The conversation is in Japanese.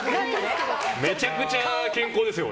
めちゃくちゃ健康ですよ、俺。